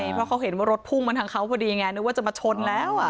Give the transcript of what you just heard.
เพราะเขาเห็นว่ารถพุ่งมาทางเขาพอดีไงนึกว่าจะมาชนแล้ว